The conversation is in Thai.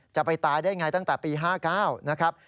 จะไปตายได้ไงตั้งแต่ปี๕๙นะครับ